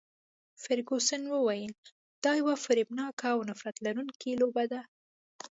فرګوسن وویل، دا یوه فریبناکه او نفرت لرونکې لوبه ده.